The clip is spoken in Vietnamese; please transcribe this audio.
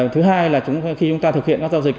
thứ hai là chúng ta thực hiện các giao dịch